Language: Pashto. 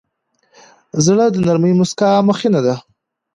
زړه د نرمې موسکا مخینه ده.